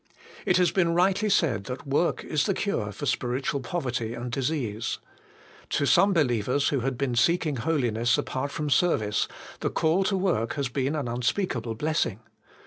It has been rightly said that work is the cure for spiritual poverty and disease ; to some believers who had been seeking 238 HOLY IN CHRIST. holiness apart from service, the call to work has been an unspeakable blessing.